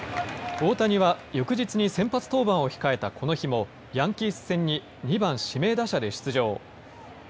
大谷は翌日に先発登板を控えたこの日もヤンキース戦に２番・指名打者で出場。